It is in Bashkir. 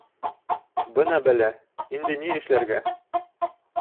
Бына бәлә, инде ни эшләргә?!